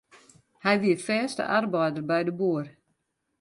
Hy wie fêste arbeider by de boer.